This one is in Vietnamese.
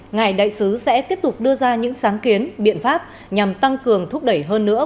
ngài đại sứ sẽ tiếp tục đưa ra những sáng kiến biện pháp nhằm tăng cường thúc đẩy hơn nữa